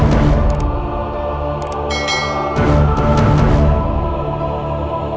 subtitel ini dihakimi oleh